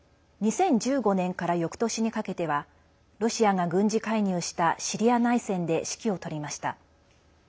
２０１５年からよくとしにかけてはロシアが軍事介入したシリア内戦で指揮を執りました。